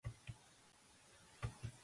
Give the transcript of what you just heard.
აქ ზუსტად არის თერთმეტი ცხენი.